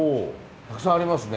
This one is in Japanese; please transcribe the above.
たくさんありますね。